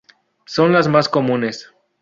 Son las más comunes.